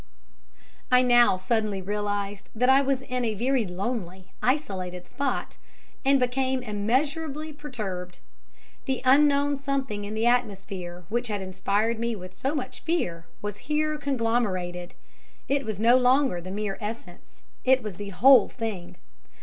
I now suddenly realized that I was in a very lonely, isolated spot, and became immeasurably perturbed. The Unknown Something in the atmosphere which had inspired me with so much fear was here conglomerated it was no longer the mere essence it was the whole Thing.